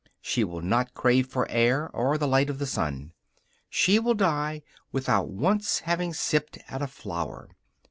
She will not crave for air, or the light of the sun; she will die without once having sipped at a flower.